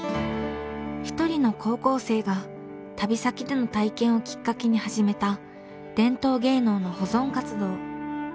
一人の高校生が旅先での体験をきっかけに始めた伝統芸能の保存活動。